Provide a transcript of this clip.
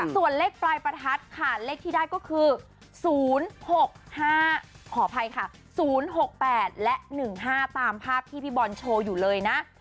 ส่วนเลขปลายประทัดค่ะเลขที่ได้ก็คือ๐๖๕ขออภัยค่ะ๐๖๘และ๑๕ตามภาพที่พี่บอลโชว์อยู่เลยนะ